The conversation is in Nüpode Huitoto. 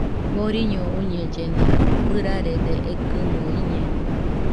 Boriño oñellena, ɨrarede ekɨmo iñeno